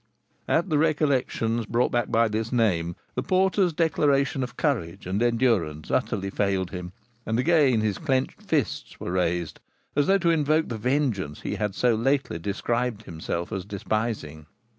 At the recollections brought back by this name, the porter's declaration of courage and endurance utterly failed him, and again his clenched fists were raised, as though to invoke the vengeance he had so lately described himself as despising.